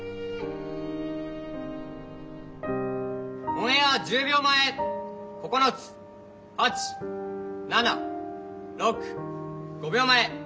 オンエア１０秒前９つ８７６５秒前４３２。